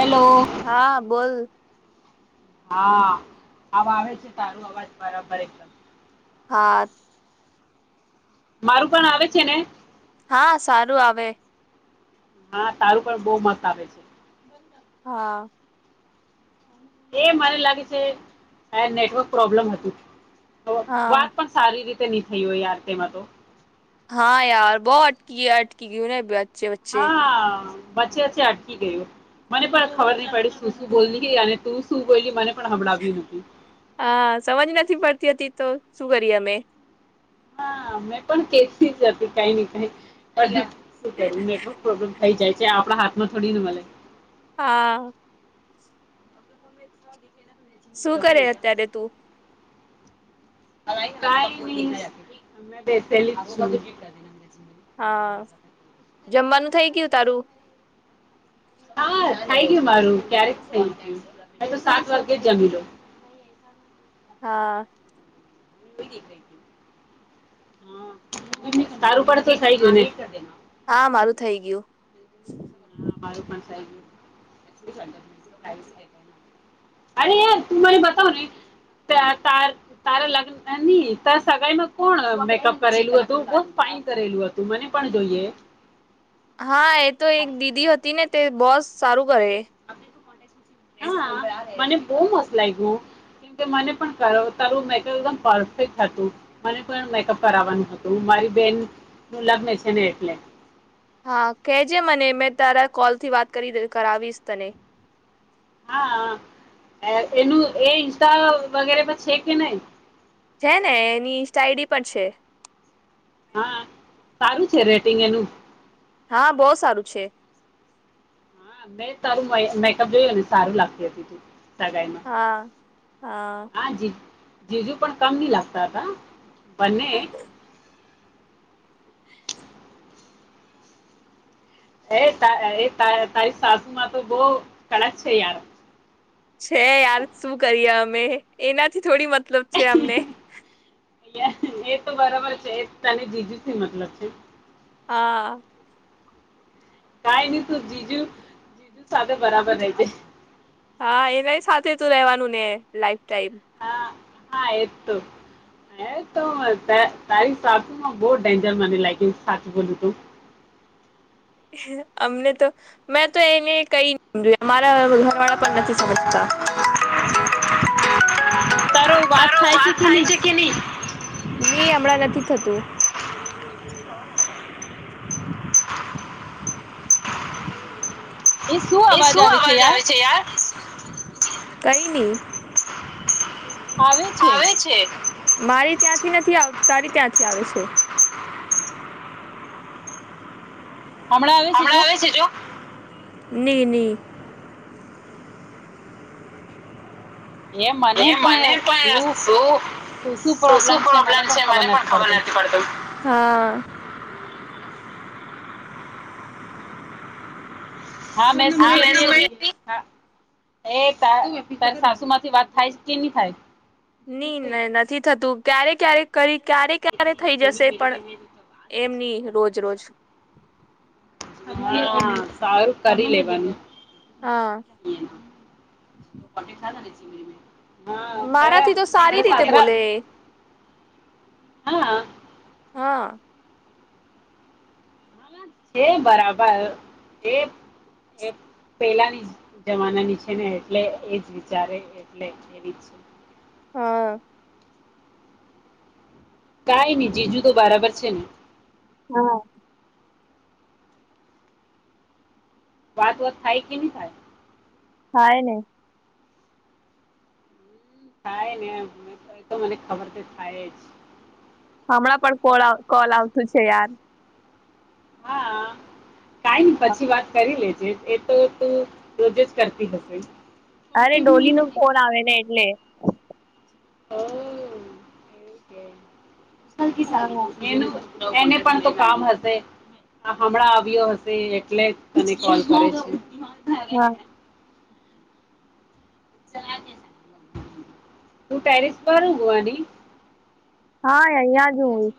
Hello હા બોલ હા આવા આવે છે તારું અવાજ બરાબર એકદમ હા મારું પણ આવે છે ને હા સારું આવે હા તારું પણ બહુ મસ્ત આવે છે હા એ મને લાગે છે અ નેટવર્ક પ્રોબ્લેમ હતું તો વાત હા પણ સારી રીતે ની થઈ હોય યાર તેમાં તો હા યાર બહ અટકી અટકી ગયુંને અચ્છે બચ્ચે બચ્ચે વચ્ચે અટકી ગયું મને પણ ખબર નહી પડી તું શું બોલ અને તું શું બોલ મને પણ હબડાવ્યું હ સમજ નથી પડતી હતી તો શું કરીએ અમે હા મેં પણ કેતી જ હતી કઈ ને કઈ પણ શું કરું નેટવર્ક પ્રોબ્લેમ થઈ જાય છે આપણા હાથમાં થોડીને મલે હા શું કરે અત્યારે તું કાંઈ નહિ બેસેલી છું હા જમવાનું થઇ ગયું તારું હા થાય ગયું મારું ક્યારેક થઈ ગુયુ તો સાત વાગે જ જમી લો હા તારું પડત થાય ગયો હા મારું થઇ ગયું હ બાળું પણ અરે એ તુંને બતાવને તારા લગ્ન ની ત સગાઈમાં કોણ મેકઅપ કરેલું હતું બ કરેલું હતું મને પણ જોઈએ હા એ તો એક દીદી હતી ને તે બોસ સારું કરે હા મને બહુ મસ્ત લાગ્યું કેમકે મને પણ કર તારું મેકઅપ એકદમ પરફેક્ટ હતું મને પણ મેકઅપ કરાવવાનું હતું મારી બેન નું લગ્ન છે ને એટલે હા કેજે મને મેં તારા કોલ થી વાત કરી કરાવીશ તને હા એનું એ ઇન્સ્ટા વગેરે પણ છે કે નહી છે ને એની સઇડી પણ છે હા સારું છે રેટિંગ એનું હા બહુ સારું છે હા મેં સારું મેકઅપ જોયુંને સારું લાગતી હતી સગાઈમાં હા હા જ જીજુ પણ કમ નહી લાગતા હતા બંને એ ત એ તારી સાસુમાં તો બહ કળક છે યાર છે યાર શું કરીએ અમે એનાથી થોડી મતલબ છે અમને અ એ તો બરાબર છે એ તને જીજું મતલબ છે હા કઈ નહી તું જીજુ સાથે બરાબર ર છે હા એનાય સાથે તું રેવાનું ને લાઈફ ટાઈમ હા હા એતો હ તો તારી સાચું માં બહ ડેન્જર મને લાગી સાચું બોલ તું [inaudible] અમને તો મેં તો એને કઈ સમજ અમારા ઘર વાળા પણ નથી સમજતા. [unintelligible] તારો વાત થાય છે કે નહી ની નથી થતું એ શું અવાજ આવે છે? યાર કઈ નહ આવે છે મારી ત્યાંથી નથી આવ તારી ત્યાંથી આવે છે. હમણાં આવે જો હમણા છે ની ની એ મને પણ શું? તો શું પ્રોબલેમ છે મને પણ ખબર નથી પડત હ હા મે શું કેતી હતી હા એ ત તારી સાસુ માંથી વાત થાય કે નહી થાય નઈ ન નથી થતું ક્યારે ક્યારે કરી ક્યારે ક્યારે થઈ જશે પણ એમની રોજ રોજ હા સારું કરી લેવાનું હા હા મારાથી તો સારી રીતે તારા.. બોલે હા હા હ છે બરાબર છે પેલાની જમાનાની છે ને એટલે એજ વિચારે એટલે એવી જ છે હા કાઈ ની જીજુ તો બરાબર છે ને હા વાત વાત થાય કે નહી થાય હાય ને થાય ને તો મને ખબર છે થાય જ હમણાં પણ કોલ કોલ આવતું છે યાર હા કાઈ ની પછી વાત કરી લે એ તો તું રોજે જ કરતી હશે અરે ડોલી ન ફોન આવે ને એટલે હ હા એ એને પણ તો કામ હશે હ હમણાં આવ્યો હશે એટલે તને કોલ કર્યો છે હા હું તું ટેરિસ પર ઊંગવાની હા અહં જ હોય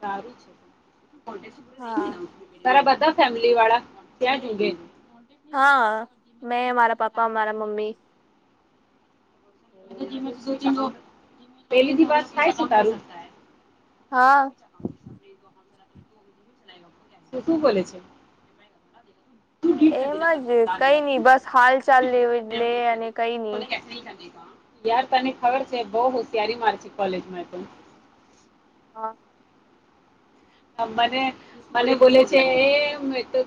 સારું છે હા તારા બધા ફેમિલી વાળા ત્યાંજ ઊંઘે હા મેં અમારા પાપા અમારા મમ્મી પહેલીથી વાત થાય તો તારું હા શું બોલે છે એમજ કઈ નઈ બસ હાલ ચાલ લે અને કઈ નઈ યાર તને ખબર છે બહ હોશિયારી માર છે કોલેજમાં તો હા મને મને બોલે છે એમ તો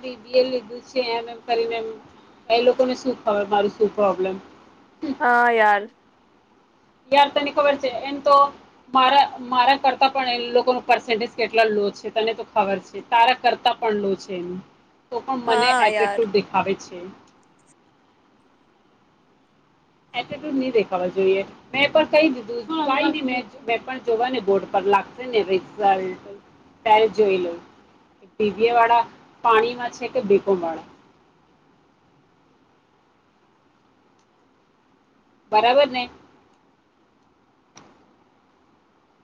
લીધું છે એમ એમ કરીનેમ એ લોકોને શું ખબર મારું શું પ્રોબ્લેમ હા યાર યાર તને ખબર છે એમ તો મારા મારા કરતા પણ લોકો પસેન્ટેજ કેટલા છે તને તો ખબર છે તારા કરતા પણ લો છે એનું ત પણ મને હા યાર એટિટ્યુડ દેખાવે છે એટિટ્યુડ નહી દેખાવા જોઈએ મેં પણ કહી દીધું ન મેં જોવા બોર્ડ પર લાગશે ને રિઝલ્ટ ત્યારે જોઈ લો પીવીએ વાળા પાણીમાં છે કે બેકોમ વાળા [unintelligible] બરાબર ને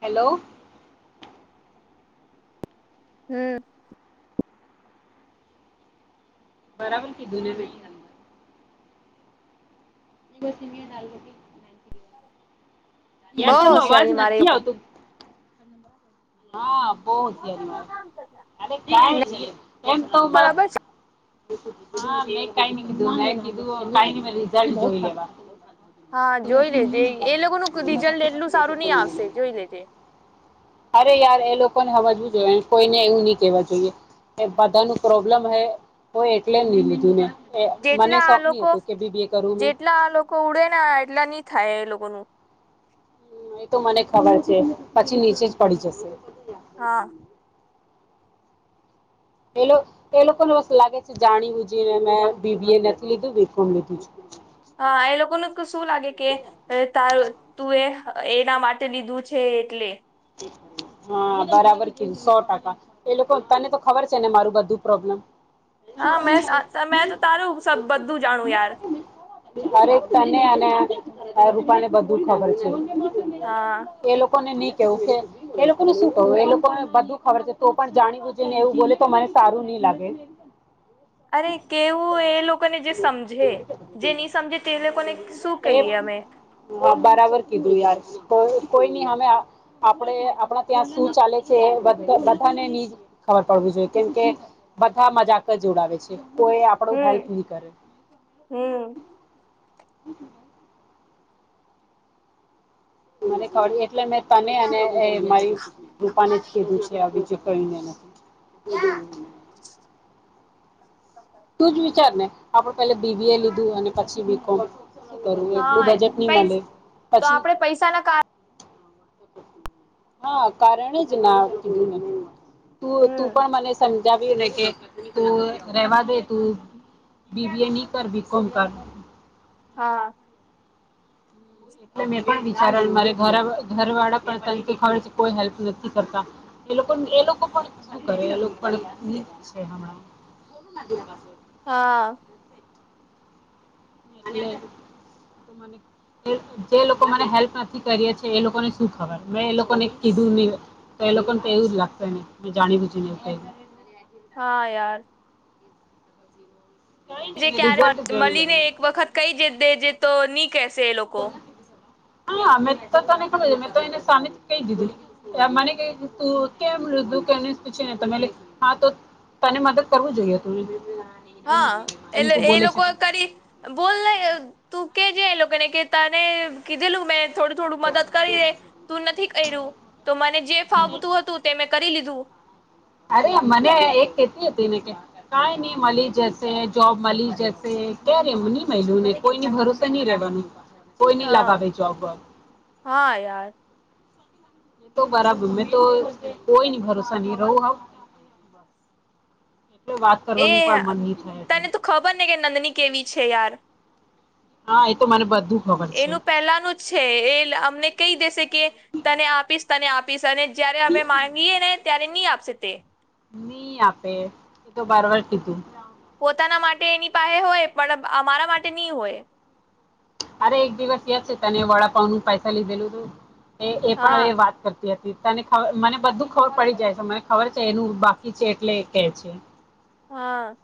હેલો હમ બરાબર કીધું ને ન હ [unintelligible] બહુ યાર તારુ અવાજ હોશિયારી મારે નથી લોકો આવતો. હા. બો હોસયારી મારે એમ તો મારે બરાબર છે હાં મેં કાંઈ ની કીધું. મેં કીધું કાંઈ ની મેં વૃદ્ધાશ્રમ ચાલી જવા. હા જોઈ લેજે એ લોકોનું રિઝલ્ટ એટલું સારું ની આવશે જોઈ લેજે. અરે યાર એ લોકોને હમજવું જોઈએ. કોઈને એવું ની કેવા જોઈએ. કે બધાનું પ્રોબ્લેમ હે હોય એટલે નહી લીધું ને? એ મને જેટલા આ શોખ નહી લોકો હતું કે બી બી એ કરું મેં જેટલા આ લોકો ઉડેને એટલા ની થાય એ લોકો કોનું. એ તો મને ખબર છે પછી નીચે જ પડી જશે. હા. એ લોક લોકોને એવું લાગે છે જાણીબુજીને મેં બી બી એ નથી લીધું બી કોમ લીધું. હા એ લોકોનું શું લાગે કે તારું તું એ એ એના માટે લીધું છે. એટલે [inaudible] હા બરાબર કીધું સો ટકા એ લોકો તને તો ખબર છે ને મારું બધું પ્રોબ્લેમ. હા, મેં સા મે તો તારું સબ અરે તને અને રૂપાને બધું ખબર છે. હા એ લોકો ને ની એવું કે એ લોકો ને શું કહું? એ લોકોને બધું ખબર છે. તો પણ જાણીબુજીને એવું બોલે તો મને સારું ની લાગે. અરે કેવું એ લોકો જે સમજે જે ની સમજે તે લોકોને શું એ કહીએ અમે. હા, બરાબર કીધું યાર. કોઈની હામે આપડે આપણા ત્યાં શું ચાલે છે એ બધા બધાને ની ખબર પડવી જોઈએ કેમકે બધા મજાક જ ઉડાવે છે. કોઈ આપડુ હેલ્પ ની હમ્મ. હમ્મ. મને ખળી એટલે મેં તને અને એ મારી કૃપાને જ કીધું છે. બીજું કોઈને નથી. તું જ વિચાર ને આપણે પેલા બી બી એ લીધું અને પછી બી કોમ શું કરું એટલું હા બજેટ નહી પૈ મલે તો પછી. આપડે પૈસા ના કાર હા કારણ જ ના તું તું હમ પણ મને સમ સંજાવ્યું ને કે રહેવા દે તું બી બી એ ની કર બી કોમ કર. હા. એટલે મેં પણ વિચારેલ મારે ઘરા ઘરવાળા પણ કઈ કે ખર્ચ કોઈ હેલ્પ નથી કરતા એ લોકો ન એ લોકો પણ શું કરે એ લોકો પાંહે નિજ છે હમણાં. હા અને જે લોકો મને હેલ્પ નથી કરિયે છે એ લોકોને શું ખબર મેં એ લોકોને કીધું ની. એ લોકોને એવું જ લાગતુ હોયને મેં જાણી બુજીને એવુ કઇરુ. હા યાર. કઈ નહીં જે મેં ક્યારે રિઝલ્ટ જોઈ મલીને લેવાનું એક વખત કઈ દેજે, તો ની કહેશે એ લોકો. [inaudible] હા અમે તો તને કીધું મેં તો એને સામે કઈ દીધું મને કે તું કેમ લીધું કે પૂછે ને તો મેં બોલી હા, તો તને મદદ કરવું જોઈએ હતું ને. હા, એટલે એ લોકોએ કરી બોલને તું કે જે એ લોકોને કે તને કીધેલું મેં થોડું-થોડું મદદ કરી દે તું નથી કર્યું તો મને જે એ ફાવતું હતું તેમેં કરી લીધું. અરે મને એક કેતી હતી, ને કે કઈ નઈ મલી જશે જોબ મલી જશે ક્યારે હું ની મેઈલું ને કોઈની ભરોસે ની રહેવાનું. કોઈ નહી હા લગાવે જોબ બોબ. હા યાર એ તો બરાબર. મેં તો કોઈ ની ભરોસે નહી રહું હવ. [inaudible] એ પણ મન નહી થાય એટલે તને તો ખબર ને કે નંદની કેવી છે યાર. હા એતો મને બધ એનું પહેલાનું જ છે એ અમને કહી દેશે કે તને આપીશ તને આપીશ અને જયારે અમે માંગીએ ને ત્યારે નહી આપશે તે. નહીં આપે, એ તો બરબર કીધું. પોતાના માટે એની પાહે હોય, પણ અ અમારા માટે ની હોય. અરે એક દિવસ યાદ જ છે તને વડાપાઉં નું પૈસા લીધેલું તું, એ એ પણ હા હવે વાત કર તી હતી. તને ખ મને બધું ખબર પડી જાય છે, મને ખબર છે એનું બાકી છે એટલે એ કે છે. હા.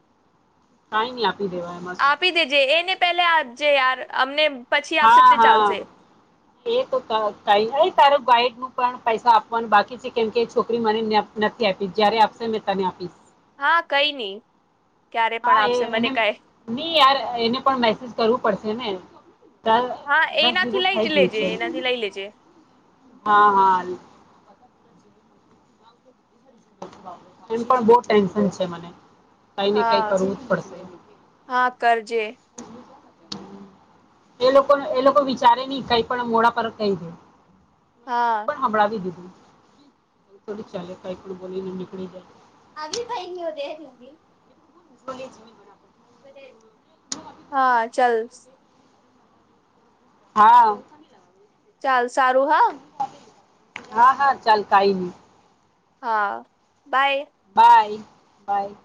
કાઈ ની આપ આપી દેજે એને પેલા આજે યાર અમને પછી આપશે હા, તે હા ચાલશે એ તો ક કહી હૈ તારું ગાઈડ નું પણ પૈસા આપવાનું બાકી છે, કેમકે છોકરી મને ન ન નથી આયપી, જ્યારે આપશે મેં તને આપીશ. હા, કંઈ નહી. ક્યારે પણ હા આપશે એને મને કહે નઈ યાર એને પણ મેસેજ કરવું પડશે ને. કાલ હા દસ એનાથી દિવસ લઈ થઇ જ ગયું લેજે છે. એનાથી લઈ લેજે હા, હા. એમ પણ બહું ટેન્શન છે મને. કંઈ ને કંઈ હા કરવું જ પડશે. હા કરજે એ લોકોને એ લોકો વિચારે નહીં કઈ પણ આમ મોડા પર જ કઈ દે. મેં હા પણ હંભળાવી દીધું, એમ થોડું ચાલે કઈક બી બોલીને નીકળી જાય. આવી ભાઈ [unintelligible] બોલે જ હોય બરાબર. હા ચાલ. હા. ચાલ સારું હા હા, હા ચાલ કાઈ નહીં. હા બાય. બાય-બાય.